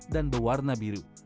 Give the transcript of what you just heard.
dan berwarna biru